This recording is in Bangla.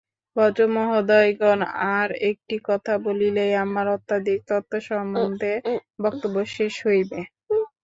ভদ্রমহোদয়গণ, আর একটি কথা বলিলেই আমার আধ্যাত্মিক তত্ত্বসম্বন্ধে বক্তব্য শেষ হইবে।